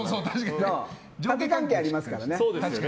縦関係ありますからね。